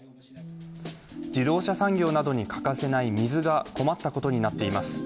自動車産業などに欠かせない水が困ったことになっています。